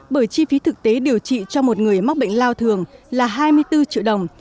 bởi chi phí thực tế điều trị cho một người mắc bệnh lao thường là hai mươi bốn triệu đồng